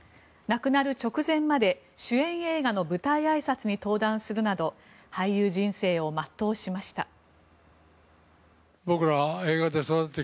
亡くなる直前まで主演映画の舞台あいさつに登壇するなど俳優人生を全うしました。